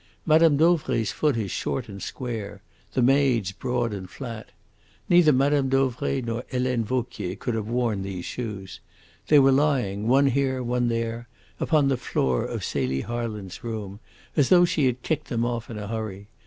Mme. Dauvray's foot is short and square, the maid's broad and flat. Neither Mme. Dauvray nor Helene Vauquier could have worn these shoes. They were lying, one here, one there, upon the floor of Celie Harland's room, as though she had kicked them off in a hurry.